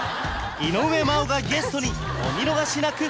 井上真央がゲストにお見逃しなく！